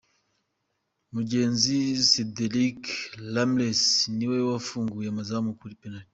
Mugenzi Cedric Ramires ni we wafunguye amazamu kuri penaliti.